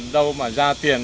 đâu mà ra tiền